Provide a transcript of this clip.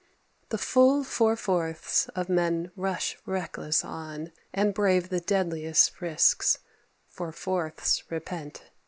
The full four fourths of men rush reckless on, And brave the deadliest risks; four fourths repent.